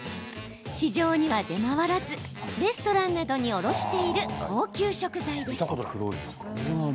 市場には出回らずレストランなどに卸している高級食材です。